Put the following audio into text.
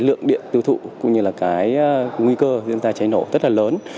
lượng điện tư thụ cũng như nguy cơ diễn ra cháy nổ rất là lớn